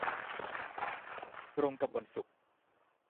ตรงกับวันศุกร์